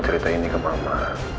cerita ini ke mama